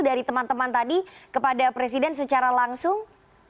dari teman teman tadi kepada presiden secara langsung